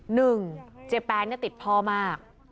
หนึ่งเจแปนติดพ่อมาก